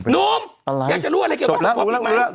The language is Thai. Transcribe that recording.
หนุ่มอยากจะรู้อะไรเกี่ยวกับสมภพอีกไหม